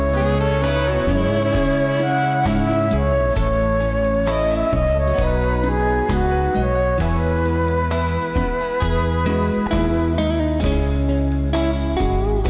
กระส่งไว้